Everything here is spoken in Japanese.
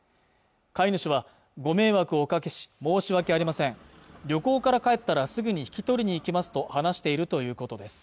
飼い主はご迷惑をおかけし申し訳ありません旅行から帰ったらすぐに引き取りに行きますと話しているということです